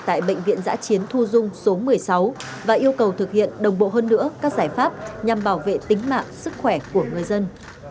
tại bệnh viện giã chiến thu dung số một mươi sáu và yêu cầu thực hiện đồng bộ hơn nữa các giải pháp nhằm bảo vệ tính mạng sức khỏe của người dân